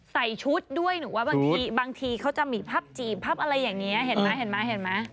ใส่ชุดด้วยหนูว่าบางทีเขาจะมีภาพจีบภาพอะไรอย่างนี้เห็นไหม